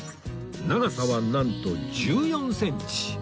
長さはなんと１４センチ